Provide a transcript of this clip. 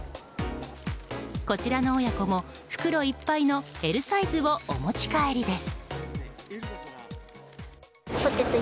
こちらの親子も袋いっぱいのＬサイズをお持ち帰りです。